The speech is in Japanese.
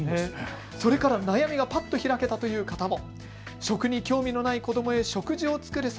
それから悩みがパッと開けたという方も。